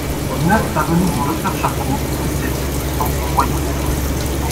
neuf avenue du Docteur Charcot, dix-sept, deux cents, Royan